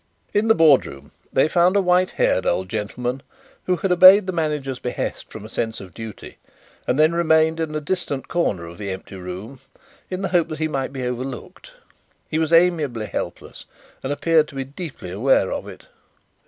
In the boardroom they found a white haired old gentleman who had obeyed the manager's behest from a sense of duty, and then remained in a distant corner of the empty room in the hope that he might be over looked. He was amiably helpless and appeared to be deeply aware of it.